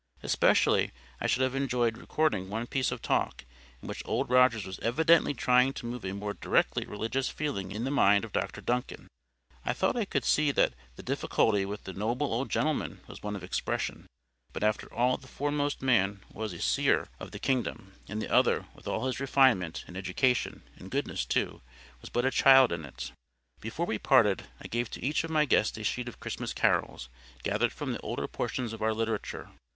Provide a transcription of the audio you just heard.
Especially I should have enjoyed recording one piece of talk, in which Old Rogers was evidently trying to move a more directly religious feeling in the mind of Dr Duncan. I thought I could see that THE difficulty with the noble old gentleman was one of expression. But after all the old foremast man was a seer of the Kingdom; and the other, with all his refinement, and education, and goodness too, was but a child in it. Before we parted, I gave to each of my guests a sheet of Christmas Carols, gathered from the older portions of our literature.